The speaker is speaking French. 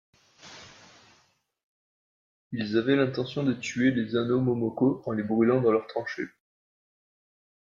Ils avaient l'intention de tuer les Hanau momoko en les brûlant dans leur tranchée.